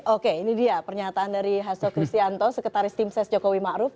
oke ini dia pernyataan dari hasso kristianto sekretaris timses jokowi ma'ruf